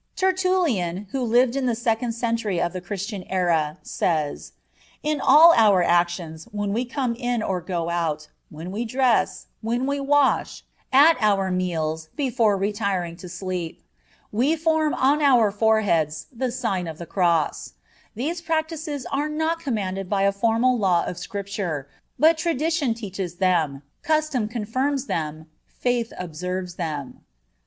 Tertullian, who lived in the second century of the Christian era, says: "In all our actions, when we come in or go out, when we dress, when we wash, at our meals, before retiring to sleep, ... we form on our foreheads the sign of the cross. These practices are not commanded by a formal law of Scripture; but tradition teaches them, custom confirms them, faith observes them."